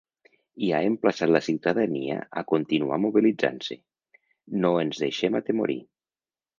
I ha emplaçat la ciutadania a continuar mobilitzant-se: No ens deixem atemorir.